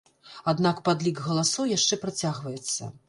Аднак падлік галасоў яшчэ працягваецца.